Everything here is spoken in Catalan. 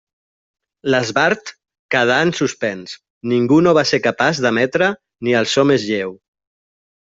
L'esbart quedà en suspens, ningú no va ser capaç d'emetre ni el so més lleu.